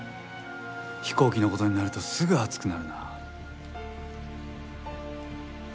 飛行機の事になるとすぐ熱くなるな。